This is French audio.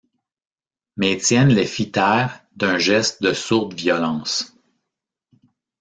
Mais Étienne les fit taire d’un geste de sourde violence.